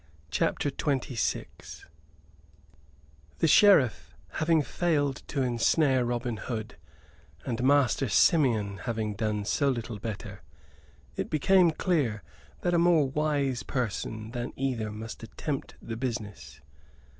CHAPTER XXVI The Sheriff having failed to ensnare Robin Hood, and Master Simeon having done so little better, it became clear that a more wise person than either must attempt the business.